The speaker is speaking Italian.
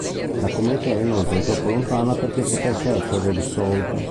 La "cometa" era inoltre troppo lontana perché potesse essere risolta.